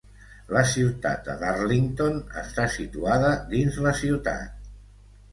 La ciutat de Darlington està situada dins la ciutat.